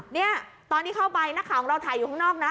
เนี่ยตอนที่เข้าไปนักข่าวของเราถ่ายอยู่ข้างนอกนะ